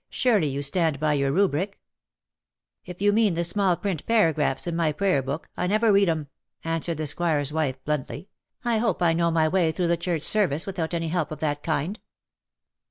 Surely you stand by your Rubric ?^'" If you mean the small print paragraphs in my prayer book, I never read ^em,^^ answered the Squire's wife, bluntly. " I hope I know my way through the Church Service without any help of that kind.